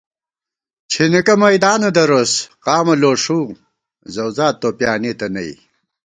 چھېنېکہ میدانہ دروس قامہ لوݭُوؤ، زَؤزاد تو پیانېتہ نئ